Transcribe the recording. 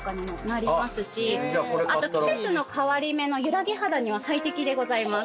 あと季節の変わり目の揺らぎ肌には最適でございます。